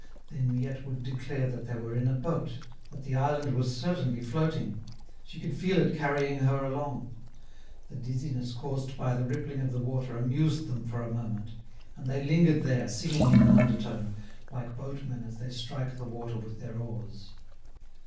Then Miette would declare that they were in a boat, that the island was certainly floating; she could feel it carrying her along. The dizziness caused by the rippling of the water amused them for a moment, and they lingered there, singing in an undertone, like boatmen as they strike the water with their oars.